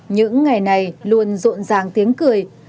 những ngày này luôn rộn ràng tiếng cười